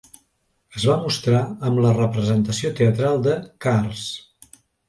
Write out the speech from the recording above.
Es va mostrar amb la representació teatral de "Cars".